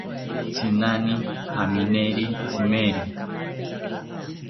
Tzinani amineri tzimeri